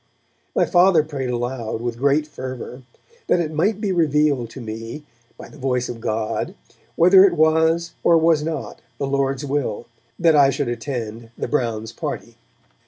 My Father prayed aloud, with great fervour, that it might be revealed to me, by the voice of God, whether it was or was not the Lord's will that I should attend the Browns' party.